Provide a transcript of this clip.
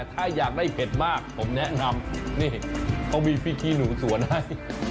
ถ้าอยากได้เผ็ดมากผมแนะนำนี่เขามีพริกขี้หนูสวนให้